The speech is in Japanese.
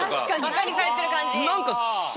ばかにされてる感じ。